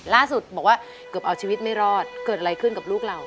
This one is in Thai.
ล่าสุดบอกว่าเกือบเอาชีวิตไม่รอดเกิดอะไรขึ้นกับลูกเรา